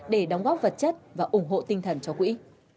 để đóng góp vật chất và ủng hộ tinh thần cho quỹ